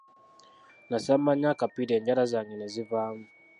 Nasamba nnyo akapiira enjala zange ne zivaamu.